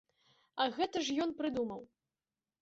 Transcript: А гэта ж ён прыдумаў.